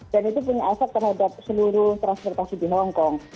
dan itu punya efek terhadap seluruh transportasi di hongkong